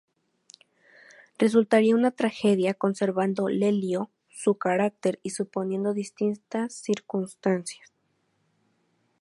Resultaría una tragedia, conservando Lelio su carácter y suponiendo distintas circunstancias.